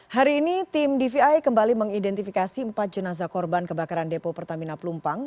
hari ini tim dvi kembali mengidentifikasi empat jenazah korban kebakaran depo pertamina pelumpang